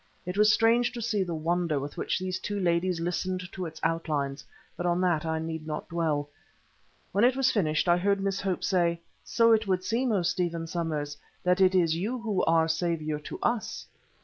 It was strange to see the wonder with which these two ladies listened to its outlines, but on that I need not dwell. When it was finished I heard Miss Hope say: "So it would seem, O Stephen Somers, that it is you who are saviour to us."